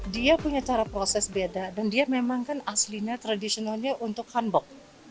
dia punya cara proses beda dan dia memang kan aslinya tradisionalnya untuk hanbok